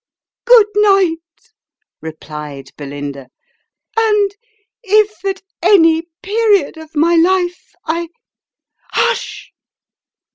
" Good night !" replied Belinda ;" and, if at any period of my life, I Hush